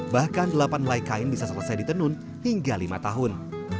bahkan delapan laik kain bisa selesai ditenun hingga lima tahun